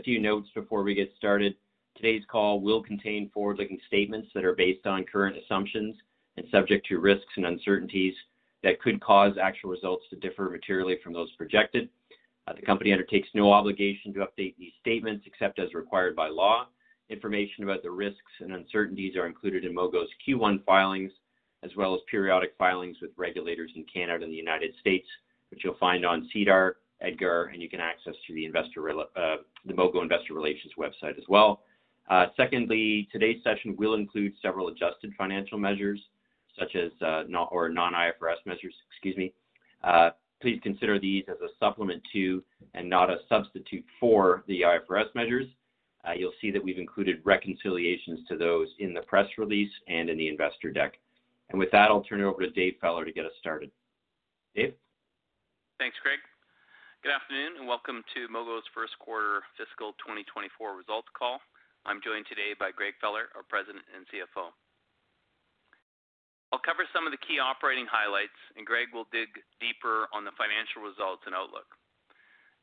Just a few notes before we get started. Today's call will contain forward-looking statements that are based on current assumptions and subject to risks and uncertainties that could cause actual results to differ materially from those projected. The company undertakes no obligation to update these statements except as required by law. Information about the risks and uncertainties are included in Mogo's Q1 filings, as well as periodic filings with regulators in Canada and the United States, which you'll find on SEDAR, EDGAR, and you can access through the Mogo investor relations website as well. Secondly, today's session will include several adjusted financial measures, such as, or non-IFRS measures, excuse me. Please consider these as a supplement to, and not a substitute for, the IFRS measures. You'll see that we've included reconciliations to those in the press release and in the investor deck. With that, I'll turn it over to Dave Feller to get us started. Dave? Thanks, Greg. Good afternoon, and welcome to Mogo's first quarter fiscal 2024 results call. I'm joined today by Greg Feller, our President and CFO. I'll cover some of the key operating highlights, and Greg will dig deeper on the financial results and outlook.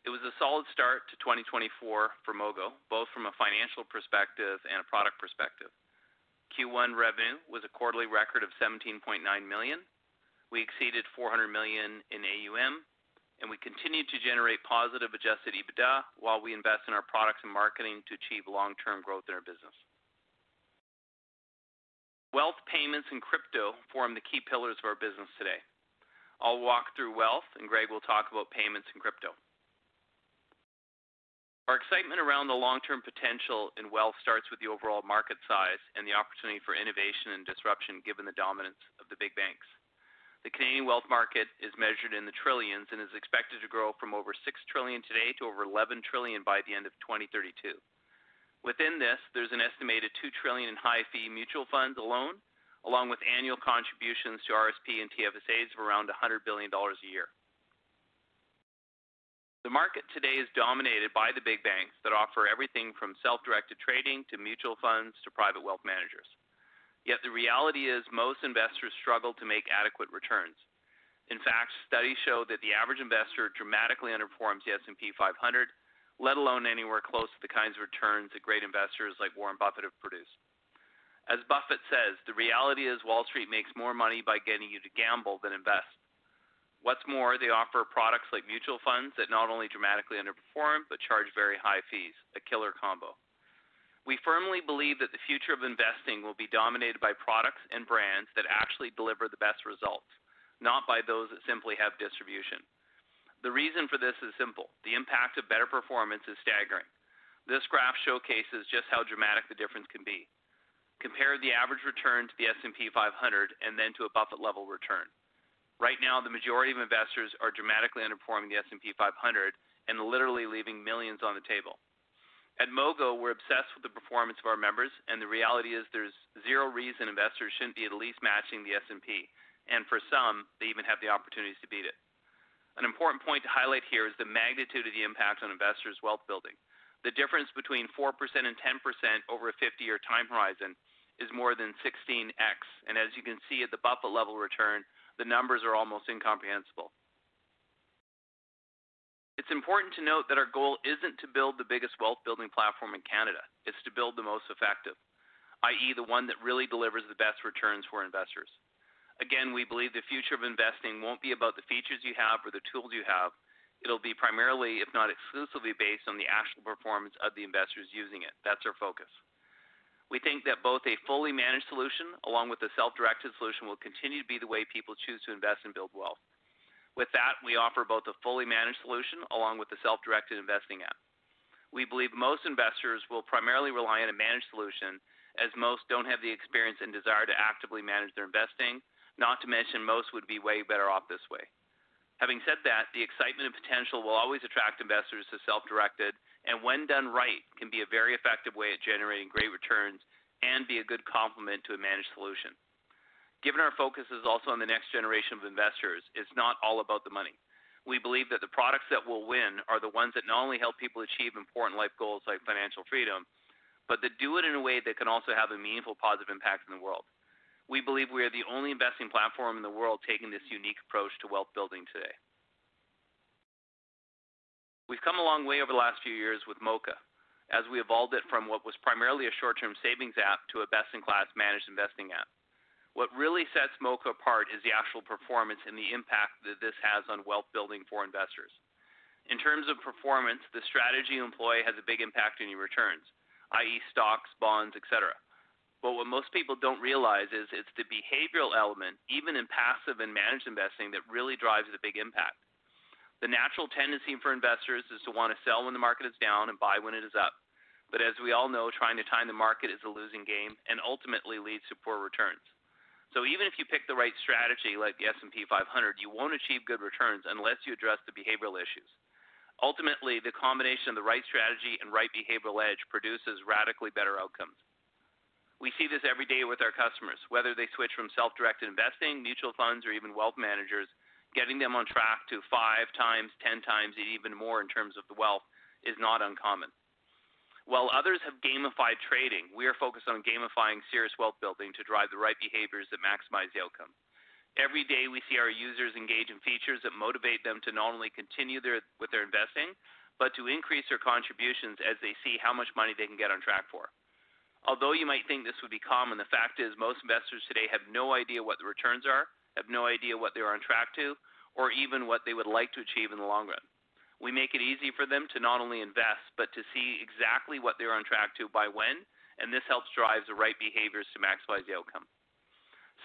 It was a solid start to 2024 for Mogo, both from a financial perspective and a product perspective. Q1 revenue was a quarterly record of 17.9 million. We exceeded 400 million in AUM, and we continued to generate positive Adjusted EBITDA while we invest in our products and marketing to achieve long-term growth in our business. Wealth, payments, and crypto form the key pillars of our business today. I'll walk through wealth, and Greg will talk about payments and crypto. Our excitement around the long-term potential in wealth starts with the overall market size and the opportunity for innovation and disruption, given the dominance of the big banks. The Canadian wealth market is measured in the trillions and is expected to grow from over 6 trillion today to over 11 trillion by the end of 2032. Within this, there's an estimated 2 trillion in high-fee mutual funds alone, along with annual contributions to RSP and TFSAs of around 100 billion dollars a year. The market today is dominated by the big banks that offer everything from self-directed trading to mutual funds to private wealth managers. Yet the reality is, most investors struggle to make adequate returns. In fact, studies show that the average investor dramatically underperforms the S&P 500, let alone anywhere close to the kinds of returns that great investors like Warren Buffett have produced. As Buffett says, the reality is Wall Street makes more money by getting you to gamble than invest. What's more, they offer products like mutual funds that not only dramatically underperform, but charge very high fees, a killer combo. We firmly believe that the future of investing will be dominated by products and brands that actually deliver the best results, not by those that simply have distribution. The reason for this is simple: the impact of better performance is staggering. This graph showcases just how dramatic the difference can be. Compare the average return to the S&P 500 and then to a Buffett-level return. Right now, the majority of investors are dramatically underperforming the S&P 500 and literally leaving millions on the table. At Mogo, we're obsessed with the performance of our members, and the reality is there's zero reason investors shouldn't be at least matching the S&P, and for some, they even have the opportunities to beat it. An important point to highlight here is the magnitude of the impact on investors' wealth building. The difference between 4% and 10% over a 50-year time horizon is more than 16x, and as you can see at the Buffett level return, the numbers are almost incomprehensible. It's important to note that our goal isn't to build the biggest wealth-building platform in Canada. It's to build the most effective, i.e., the one that really delivers the best returns for investors. Again, we believe the future of investing won't be about the features you have or the tools you have. It'll be primarily, if not exclusively, based on the actual performance of the investors using it. That's our focus. We think that both a fully managed solution along with a self-directed solution will continue to be the way people choose to invest and build wealth. With that, we offer both a fully managed solution along with a self-directed investing app. We believe most investors will primarily rely on a managed solution, as most don't have the experience and desire to actively manage their investing. Not to mention, most would be way better off this way. Having said that, the excitement and potential will always attract investors to self-directed, and when done right, can be a very effective way at generating great returns and be a good complement to a managed solution. Given our focus is also on the next generation of investors, it's not all about the money. We believe that the products that will win are the ones that not only help people achieve important life goals like financial freedom, but that do it in a way that can also have a meaningful, positive impact in the world. We believe we are the only investing platform in the world taking this unique approach to wealth building today. We've come a long way over the last few years with Moka, as we evolved it from what was primarily a short-term savings app to a best-in-class managed investing app. What really sets Moka apart is the actual performance and the impact that this has on wealth building for investors. In terms of performance, the strategy you employ has a big impact on your returns, i.e., stocks, bonds, et cetera. But what most people don't realize is it's the behavioral element, even in passive and managed investing, that really drives the big impact. The natural tendency for investors is to want to sell when the market is down and buy when it is up. But as we all know, trying to time the market is a losing game and ultimately leads to poor returns. So even if you pick the right strategy, like the S&P 500, you won't achieve good returns unless you address the behavioral issues. Ultimately, the combination of the right strategy and right behavioral edge produces radically better outcomes. We see this every day with our customers, whether they switch from self-directed investing, mutual funds, or even wealth managers, getting them on track to 5x, 10x, even more in terms of the wealth is not uncommon… While others have gamified trading, we are focused on gamifying serious wealth building to drive the right behaviors that maximize the outcome. Every day, we see our users engage in features that motivate them to not only continue their investing, but to increase their contributions as they see how much money they can get on track for. Although you might think this would be common, the fact is, most investors today have no idea what the returns are, have no idea what they are on track to, or even what they would like to achieve in the long run. We make it easy for them to not only invest, but to see exactly what they're on track to by when, and this helps drive the right behaviors to maximize the outcome.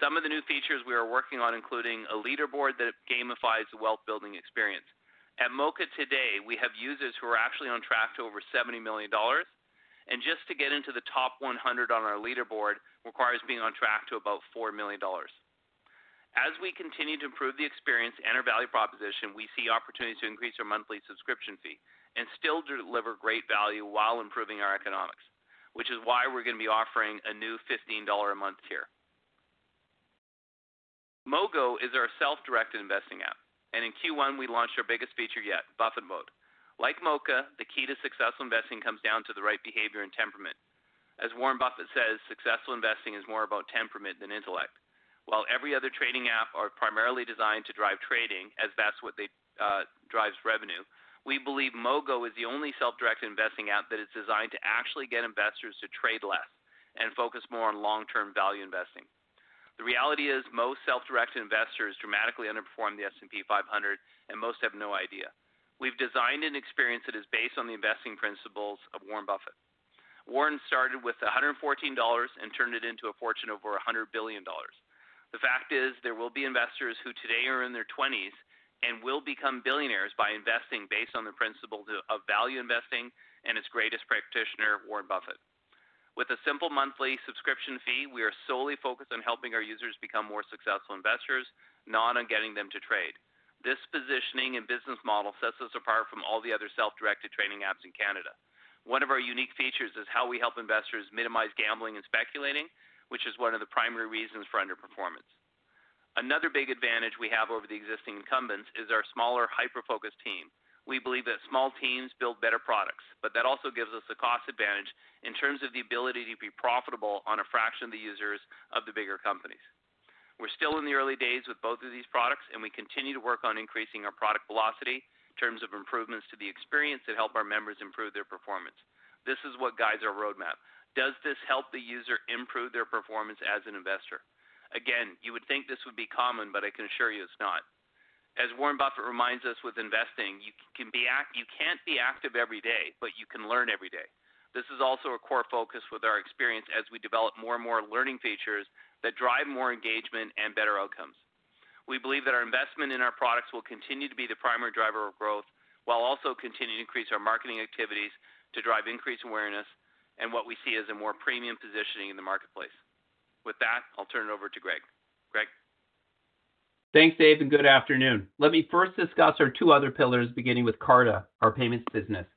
Some of the new features we are working on, including a leaderboard that gamifies the wealth-building experience. At Moka today, we have users who are actually on track to over 70 million dollars, and just to get into the top 100 on our leaderboard requires being on track to about 4 million dollars. As we continue to improve the experience and our value proposition, we see opportunities to increase our monthly subscription fee and still deliver great value while improving our economics, which is why we're going to be offering a new CAD 15-a-month tier. Mogo is our self-directed investing app, and in Q1, we launched our biggest feature yet, Buffett Mode. Like Moka, the key to successful investing comes down to the right behavior and temperament. As Warren Buffett says, successful investing is more about temperament than intellect. While every other trading app are primarily designed to drive trading, as that's what they, drives revenue, we believe Mogo is the only self-directed investing app that is designed to actually get investors to trade less and focus more on long-term value investing. The reality is, most self-directed investors dramatically underperform the S&P 500, and most have no idea. We've designed an experience that is based on the investing principles of Warren Buffett. Warren started with $114 and turned it into a fortune over $100 billion. The fact is, there will be investors who today are in their twenties and will become billionaires by investing based on the principle of value investing and its greatest practitioner, Warren Buffett. With a simple monthly subscription fee, we are solely focused on helping our users become more successful investors, not on getting them to trade. This positioning and business model sets us apart from all the other self-directed trading apps in Canada. One of our unique features is how we help investors minimize gambling and speculating, which is one of the primary reasons for underperformance. Another big advantage we have over the existing incumbents is our smaller, hyper-focused team. We believe that small teams build better products, but that also gives us a cost advantage in terms of the ability to be profitable on a fraction of the users of the bigger companies. We're still in the early days with both of these products, and we continue to work on increasing our product velocity in terms of improvements to the experience that help our members improve their performance. This is what guides our roadmap. Does this help the user improve their performance as an investor? Again, you would think this would be common, but I can assure you it's not. As Warren Buffett reminds us, with investing, you can't be active every day, but you can learn every day. This is also a core focus with our experience as we develop more and more learning features that drive more engagement and better outcomes. We believe that our investment in our products will continue to be the primary driver of growth, while also continuing to increase our marketing activities to drive increased awareness and what we see as a more premium positioning in the marketplace. With that, I'll turn it over to Greg. Greg? Thanks, Dave, and good afternoon. Let me first discuss our two other pillars, beginning with Carta, our payments business.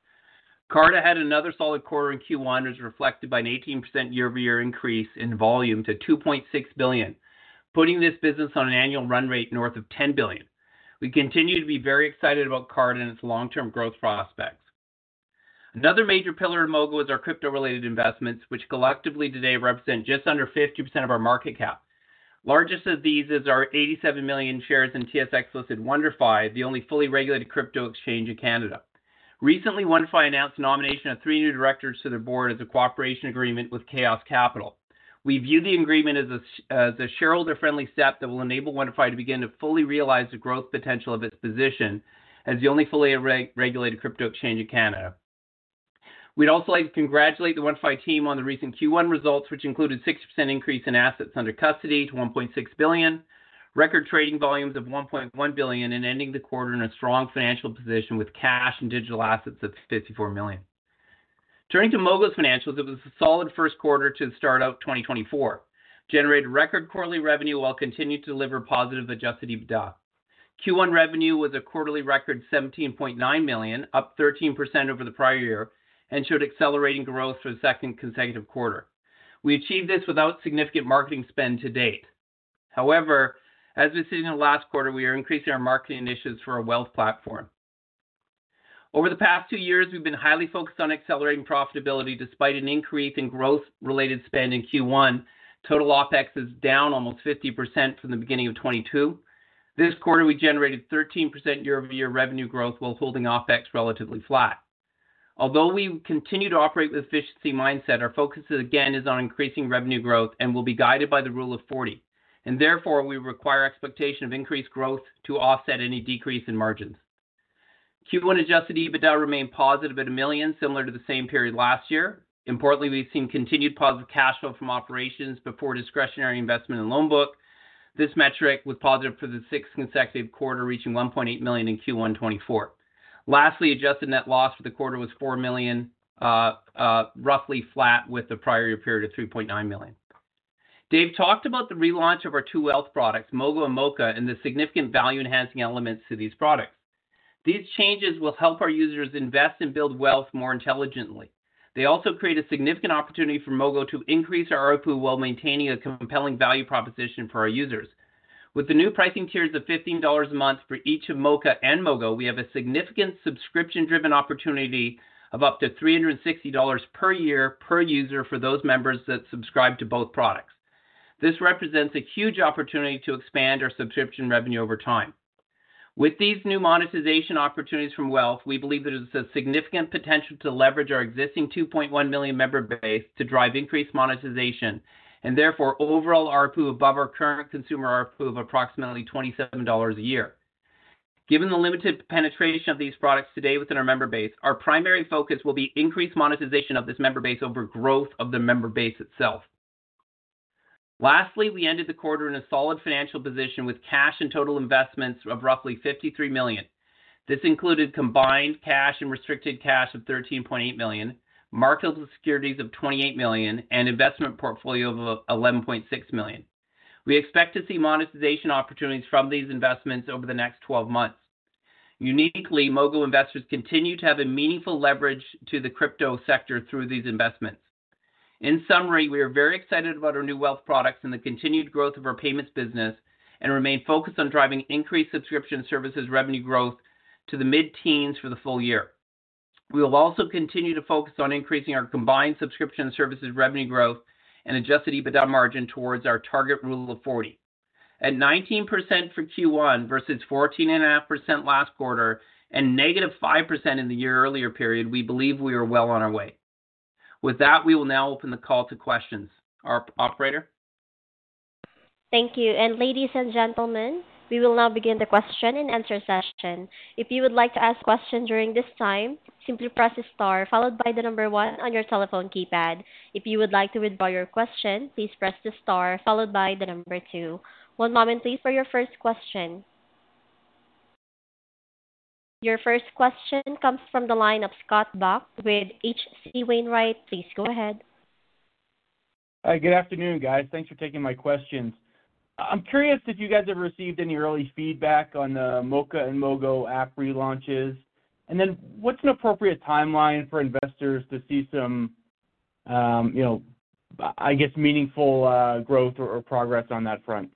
Carta had another solid quarter in Q1, and it was reflected by an 18% year-over-year increase in volume to 2.6 billion, putting this business on an annual run rate north of 10 billion. We continue to be very excited about Carta and its long-term growth prospects. Another major pillar in Mogo is our crypto-related investments, which collectively today represent just under 50% of our market cap. Largest of these is our 87 million shares in TSX-listed WonderFi, the only fully regulated crypto exchange in Canada. Recently, WonderFi announced the nomination of three new directors to the board as a cooperation agreement with Kaos Capital. We view the agreement as a shareholder-friendly step that will enable WonderFi to begin to fully realize the growth potential of its position as the only fully regulated crypto exchange in Canada. We'd also like to congratulate the WonderFi team on the recent Q1 results, which included 60% increase in assets under custody to 1.6 billion, record trading volumes of 1.1 billion, and ending the quarter in a strong financial position with cash and digital assets of 54 million. Turning to Mogo's financials, it was a solid first quarter to the start of 2024, generated record quarterly revenue while continuing to deliver positive Adjusted EBITDA. Q1 revenue was a quarterly record, 17.9 million, up 13% over the prior year, and showed accelerating growth for the second consecutive quarter. We achieved this without significant marketing spend to date. However, as we've seen in the last quarter, we are increasing our marketing initiatives for our wealth platform. Over the past two years, we've been highly focused on accelerating profitability despite an increase in growth-related spend in Q1. Total OpEx is down almost 50% from the beginning of 2022. This quarter, we generated 13% year-over-year revenue growth while holding OpEx relatively flat. Although we continue to operate with efficiency mindset, our focus again, is on increasing revenue growth and will be guided by the Rule of 40, and therefore we require expectation of increased growth to offset any decrease in margins. Q1 Adjusted EBITDA remained positive at 1 million, similar to the same period last year. Importantly, we've seen continued positive cash flow from operations before discretionary investment in loan book. This metric was positive for the sixth consecutive quarter, reaching 1.8 million in Q1 2024. Lastly, adjusted net loss for the quarter was 4 million, roughly flat with the prior period of 3.9 million. Dave talked about the relaunch of our two wealth products, Mogo and Moka, and the significant value-enhancing elements to these products. These changes will help our users invest and build wealth more intelligently. They also create a significant opportunity for Mogo to increase our ARPU while maintaining a compelling value proposition for our users... With the new pricing tiers of 15 dollars a month for each of Moka and Mogo, we have a significant subscription-driven opportunity of up to 360 dollars per year per user for those members that subscribe to both products. This represents a huge opportunity to expand our subscription revenue over time. With these new monetization opportunities from wealth, we believe that it's a significant potential to leverage our existing 2.1 million member base to drive increased monetization and therefore overall ARPU above our current consumer ARPU of approximately 27 dollars a year. Given the limited penetration of these products today within our member base, our primary focus will be increased monetization of this member base over growth of the member base itself. Lastly, we ended the quarter in a solid financial position with cash and total investments of roughly 53 million. This included combined cash and restricted cash of 13.8 million, marketable securities of 28 million, and investment portfolio of 11.6 million. We expect to see monetization opportunities from these investments over the next 12 months. Uniquely, Mogo investors continue to have a meaningful leverage to the crypto sector through these investments. In summary, we are very excited about our new wealth products and the continued growth of our payments business, and remain focused on driving increased subscription services revenue growth to the mid-teens for the full year. We will also continue to focus on increasing our combined subscription services revenue growth and Adjusted EBITDA margin towards our target Rule of 40. At 19% for Q1 versus 14.5% last quarter and -5% in the year earlier period, we believe we are well on our way. With that, we will now open the call to questions. Our operator? Thank you. Ladies and gentlemen, we will now begin the question and answer session. If you would like to ask a question during this time, simply press star followed by the number one on your telephone keypad. If you would like to withdraw your question, please press the star followed by the number two. One moment, please, for your first question. Your first question comes from the line of Scott Buck with H.C. Wainwright. Please go ahead. Hi, good afternoon, guys. Thanks for taking my questions. I'm curious if you guys have received any early feedback on the Moka and Mogo app relaunches, and then what's an appropriate timeline for investors to see some, you know, I guess, meaningful, growth or progress on that front?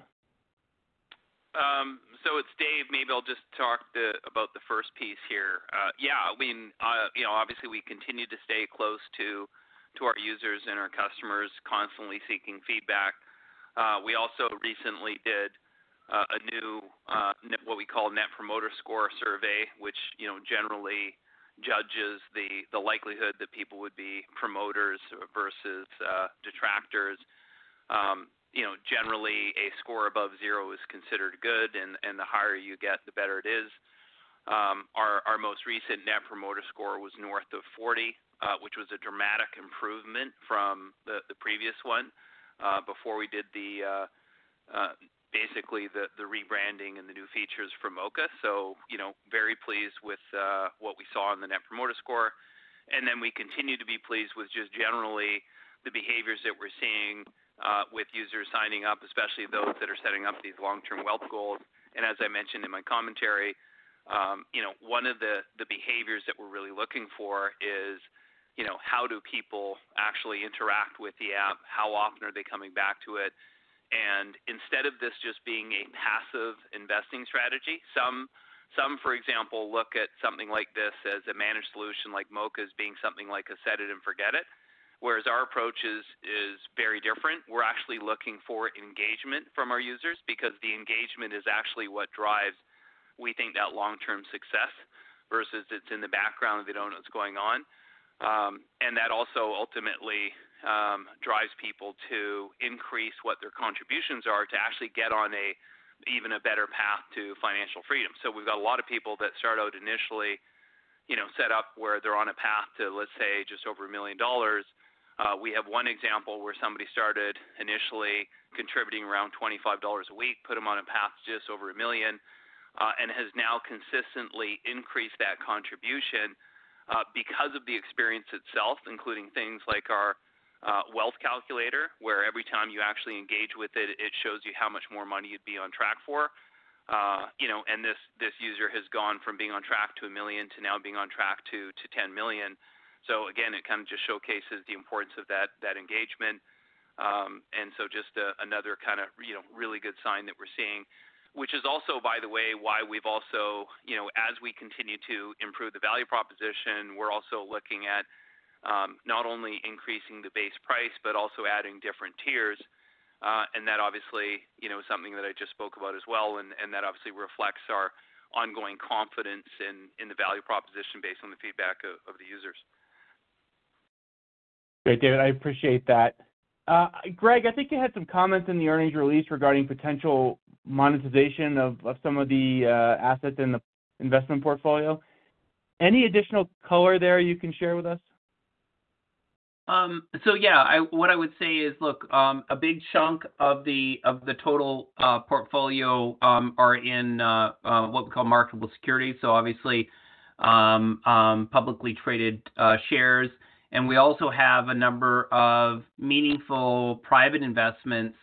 So it's Dave. Maybe I'll just talk about the first piece here. Yeah, I mean, you know, obviously, we continue to stay close to our users and our customers, constantly seeking feedback. We also recently did a new what we call Net Promoter Score survey, which, you know, generally judges the likelihood that people would be promoters versus detractors. You know, generally, a score above zero is considered good, and the higher you get, the better it is. Our most recent Net Promoter Score was north of 40, which was a dramatic improvement from the previous one, before we did basically the rebranding and the new features for Moka. So, you know, very pleased with what we saw in the Net Promoter Score. And then we continue to be pleased with just generally the behaviors that we're seeing with users signing up, especially those that are setting up these long-term wealth goals. And as I mentioned in my commentary, you know, one of the behaviors that we're really looking for is, you know, how do people actually interact with the app? How often are they coming back to it? And instead of this just being a passive investing strategy, some, for example, look at something like this as a managed solution like Moka as being something like a set it and forget it, whereas our approach is very different. We're actually looking for engagement from our users because the engagement is actually what drives, we think, that long-term success versus it's in the background, and they don't know what's going on. And that also ultimately drives people to increase what their contributions are to actually get on a even a better path to financial freedom. So we've got a lot of people that start out initially, you know, set up where they're on a path to, let's say, just over $1 million. We have one example where somebody started initially contributing around $25 a week, put them on a path just over $1 million, and has now consistently increased that contribution because of the experience itself, including things like our wealth calculator, where every time you actually engage with it, it shows you how much more money you'd be on track for. You know, and this, this user has gone from being on track to $1 million to now being on track to, to $10 million. So again, it kind of just showcases the importance of that, that engagement. And so just, another kind of, you know, really good sign that we're seeing, which is also, by the way, why we've also, you know, as we continue to improve the value proposition, we're also looking at, not only increasing the base price, but also adding different tiers. And that obviously, you know, something that I just spoke about as well, and, and that obviously reflects our ongoing confidence in, in the value proposition based on the feedback of, of the users. Great, Dave. I appreciate that. Greg, I think you had some comments in the earnings release regarding potential monetization of some of the assets in the investment portfolio. Any additional color there you can share with us? So yeah, what I would say is, look, a big chunk of the total portfolio are in what we call marketable securities, so obviously, publicly traded shares. And we also have a number of meaningful private investments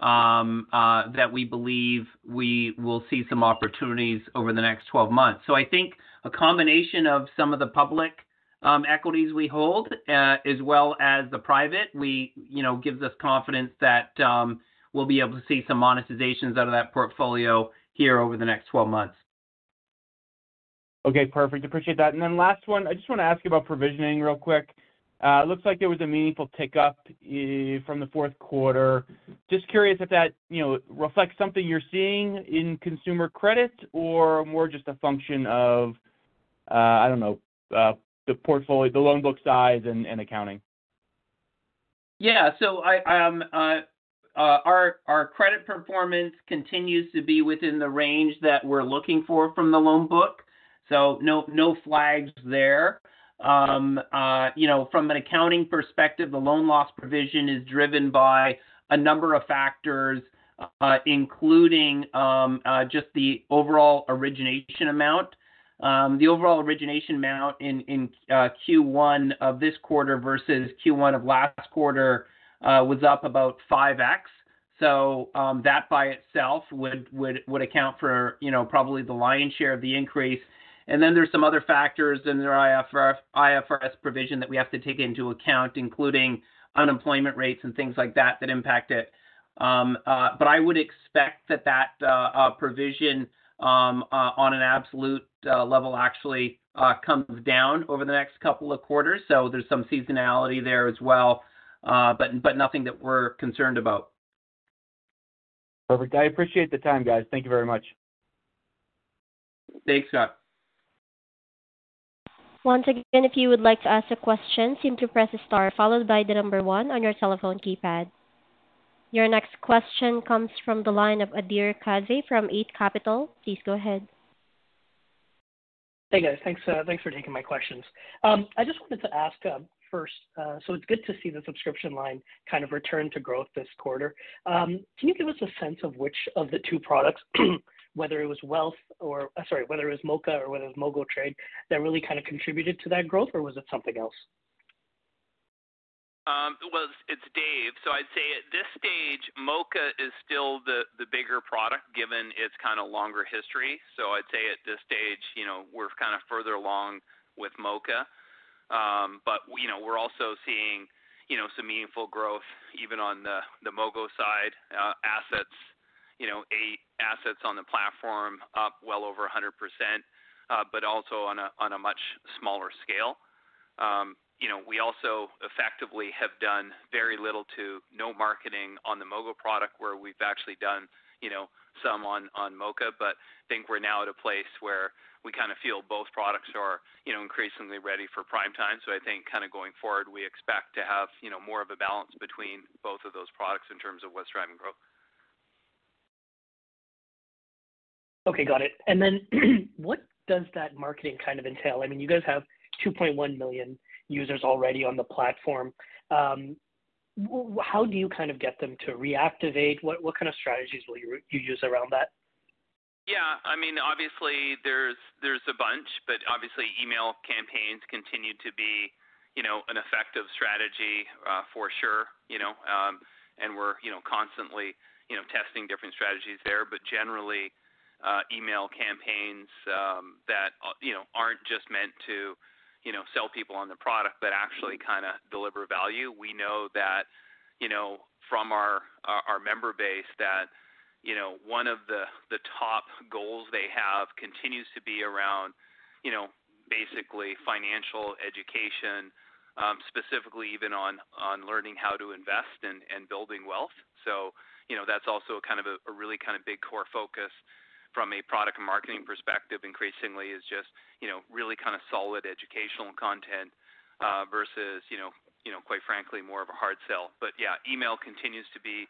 that we believe we will see some opportunities over the next 12 months. So I think a combination of some of the public equities we hold, as well as the private, we, you know, gives us confidence that, we'll be able to see some monetizations out of that portfolio here over the next 12 months. Okay, perfect. Appreciate that. And then last one, I just want to ask you about provisioning real quick. It looks like there was a meaningful tick up from the fourth quarter. Just curious if that, you know, reflects something you're seeing in consumer credit or more just a function of, I don't know, the portfolio, the loan book size and accounting? Yeah. So our credit performance continues to be within the range that we're looking for from the loan book, so no flags there. You know, from an accounting perspective, the loan loss provision is driven by a number of factors, including just the overall origination amount. The overall origination amount in Q1 of this quarter versus Q1 of last quarter was up about 5x. So that by itself would account for, you know, probably the lion's share of the increase. And then there's some other factors in the IFRS provision that we have to take into account, including unemployment rates and things like that, that impact it. But I would expect that provision on an absolute level actually comes down over the next couple of quarters. So there's some seasonality there as well, but nothing that we're concerned about. Perfect. I appreciate the time, guys. Thank you very much. Thanks, Scott. Once again, if you would like to ask a question, simply press star, followed by the number one on your telephone keypad. Your next question comes from the line of Adhir Kadve from Eight Capital. Please go ahead. Hey, guys. Thanks, thanks for taking my questions. I just wanted to ask, first, so it's good to see the subscription line kind of return to growth this quarter. Can you give us a sense of which of the two products, whether it was wealth or, sorry, whether it was Moka or whether it was MogoTrade, that really kind of contributed to that growth, or was it something else? Well, it's Dave. So I'd say at this stage, Moka is still the bigger product, given its kind of longer history. So I'd say at this stage, you know, we're kind of further along with Moka. But, you know, we're also seeing, you know, some meaningful growth, even on the Mogo side, AUM, you know, AUM on the platform, up well over 100%, but also on a much smaller scale. You know, we also effectively have done very little to no marketing on the Mogo product, where we've actually done, you know, some on Moka, but I think we're now at a place where we kind of feel both products are, you know, increasingly ready for prime time. I think kind of going forward, we expect to have, you know, more of a balance between both of those products in terms of what's driving growth. Okay, got it. And then, what does that marketing kind of entail? I mean, you guys have 2.1 million users already on the platform. How do you kind of get them to reactivate? What kind of strategies will you use around that? Yeah, I mean, obviously, there's a bunch, but obviously, email campaigns continue to be, you know, an effective strategy, for sure, you know. And we're, you know, constantly, you know, testing different strategies there. But generally, email campaigns that, you know, aren't just meant to, you know, sell people on the product, but actually kind of deliver value. We know that, you know, from our member base, that, you know, one of the top goals they have continues to be around, you know, basically financial education, specifically even on learning how to invest and building wealth. So, you know, that's also kind of a really kind of big core focus from a product and marketing perspective, increasingly, is just, you know, really kind of solid educational content versus, you know, you know, quite frankly, more of a hard sell. But yeah, email continues to be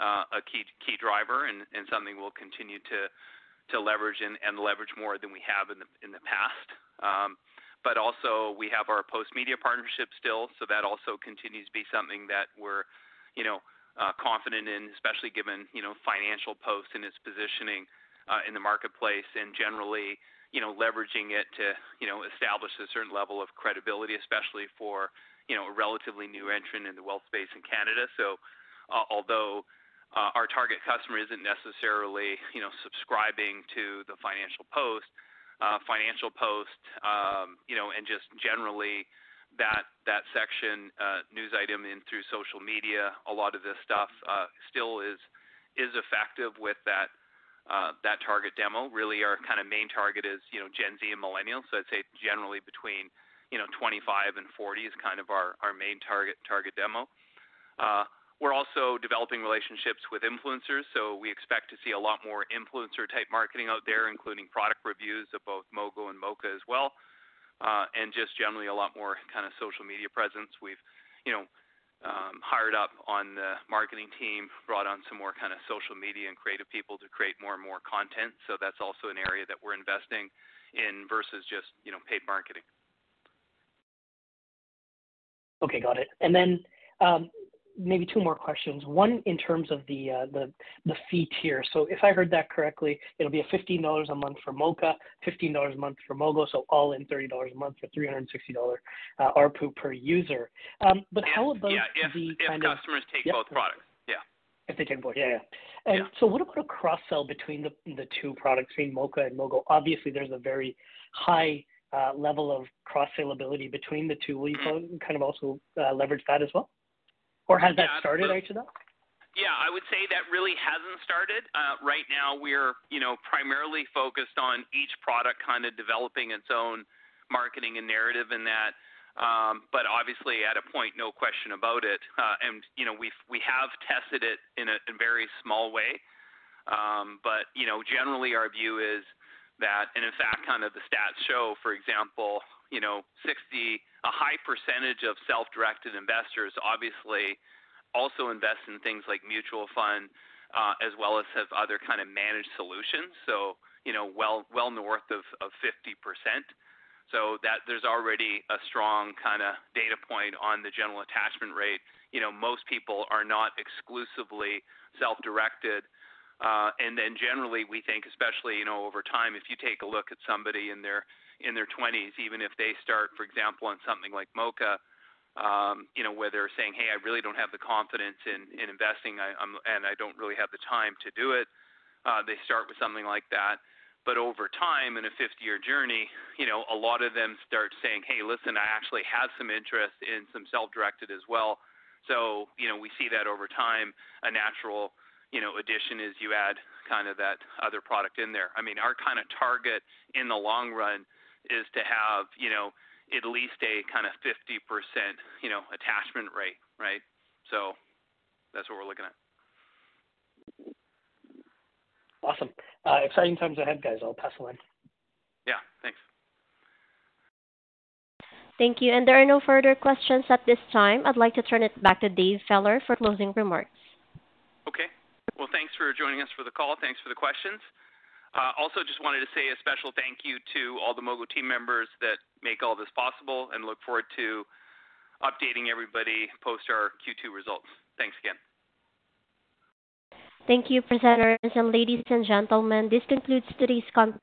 a key driver and something we'll continue to leverage and leverage more than we have in the past. But also, we have our Postmedia partnership still, so that also continues to be something that we're, you know, confident in, especially given, you know, Financial Post and its positioning in the marketplace and generally, you know, leveraging it to, you know, establish a certain level of credibility, especially for, you know, a relatively new entrant in the wealth space in Canada. So, although, our target customer isn't necessarily, you know, subscribing to the Financial Post, Financial Post, you know, and just generally, that, that section, news item in through social media, a lot of this stuff, still is, is effective with that, that target demo. Really, our kind of main target is, you know, Gen Z and millennials. So I'd say generally between, you know, 25 and 40 is kind of our, our main target, target demo. We're also developing relationships with influencers, so we expect to see a lot more influencer type marketing out there, including product reviews of both Mogo and Moka as well, and just generally a lot more kind of social media presence. We've, you know, hired up on the marketing team, brought on some more kind of social media and creative people to create more and more content. So that's also an area that we're investing in versus just, you know, paid marketing. Okay, got it. And then, maybe two more questions. One, in terms of the fee tier. So if I heard that correctly, it'll be 15 dollars a month for Moka, 15 dollars a month for Mogo, so all in 30 dollars a month for 360 dollar ARPU per user. But how about the- Yeah, if customers take both products. Yeah.... If they take both, yeah. So what about a cross-sell between the two products, between Moka and Mogo? Obviously, there's a very high level of cross-sell ability between the two. Will you kind of also leverage that as well, or has that started actually? Yeah, I would say that really hasn't started. Right now we're, you know, primarily focused on each product kind of developing its own marketing and narrative in that. But obviously, at a point, no question about it, and, you know, we have tested it in a very small way. But you know, generally our view is that, and in fact, kind of the stats show, for example, you know, 60, a high percentage of self-directed investors obviously also invest in things like mutual funds, as well as have other kind of managed solutions. So, you know, well, well north of 50%. So that there's already a strong kind of data point on the general attachment rate. You know, most people are not exclusively self-directed. And then generally, we think especially, you know, over time, if you take a look at somebody in their, in their twenties, even if they start, for example, on something like Moka, you know, where they're saying, "Hey, I really don't have the confidence in, in investing, I, and I don't really have the time to do it," they start with something like that. But over time, in a 50-year journey, you know, a lot of them start saying: Hey, listen, I actually have some interest in some self-directed as well. So, you know, we see that over time, a natural, you know, addition is you add kind of that other product in there. I mean, our kind of target in the long run is to have, you know, at least a kind of 50%, you know, attachment rate. Right? That's what we're looking at. Awesome. Exciting times ahead, guys. I'll pass along. Yeah, thanks. Thank you. There are no further questions at this time. I'd like to turn it back to Dave Feller for closing remarks. Okay. Well, thanks for joining us for the call. Thanks for the questions. Also, just wanted to say a special thank you to all the Mogo team members that make all this possible, and look forward to updating everybody post our Q2 results. Thanks again. Thank you, presenters, and ladies and gentlemen, this concludes today's conference-